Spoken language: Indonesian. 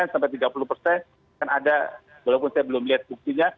dan ada walaupun saya belum lihat buktinya